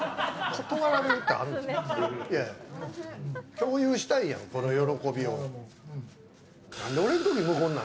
共有したいやん、この喜びを。